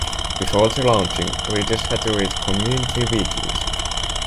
Before the launching, readers had to read community weeklies.